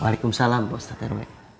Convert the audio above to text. waalaikumsalam pak ustadz eroi